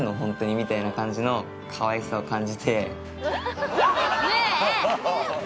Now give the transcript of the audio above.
みたいな感じのかわいさを感じてわっねえ！